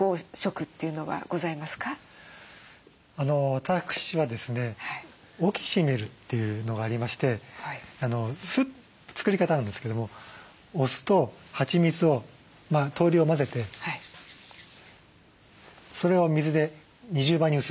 私はですねオキシメルというのがありまして作り方なんですけどもお酢とはちみつを等量混ぜてそれを水で２０倍に薄める。